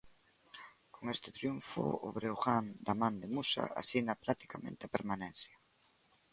Con este triunfo, o Breogán da man de Musa, asina practicamente a permanencia.